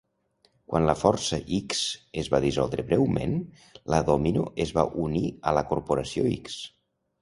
Quan la Força-X es va dissoldre breument, la Domino es va unir a la Corporació-X.